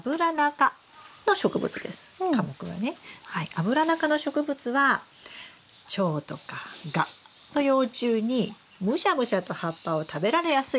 アブラナ科の植物はチョウとかガの幼虫にムシャムシャと葉っぱを食べられやすいんです。